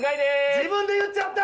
自分で言っちゃった！